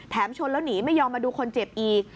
ชนแล้วหนีไม่ยอมมาดูคนเจ็บอีก